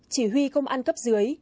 chỉ huy công an cấp dưới